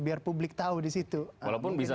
biar publik tahu disitu walaupun bisa